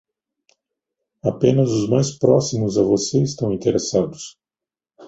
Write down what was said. Apenas os mais próximos a você estão interessados.